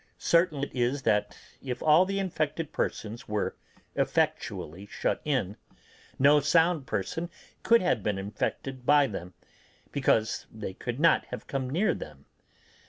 Certain it is that if all the infected persons were effectually shut in, no sound person could have been infected by them, because they could not have come near them.